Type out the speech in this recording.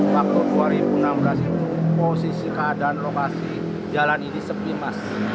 waktu dua ribu enam belas itu posisi keadaan lokasi jalan ini sepi mas